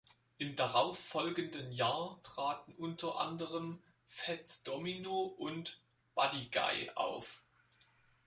Im darauf folgenden Jahr traten unter anderem Fats Domino und Buddy Guy auf.